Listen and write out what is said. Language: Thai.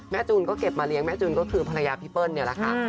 จูนก็เก็บมาเลี้ยแม่จูนก็คือภรรยาพี่เปิ้ลเนี่ยแหละค่ะ